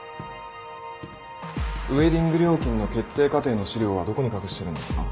ウエディング料金の決定過程の資料はどこに隠してるんですか？